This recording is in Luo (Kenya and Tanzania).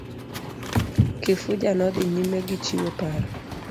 Kifuja nodhi nyime gichiwo paro.